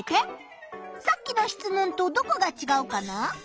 さっきの質問とどこがちがうかな？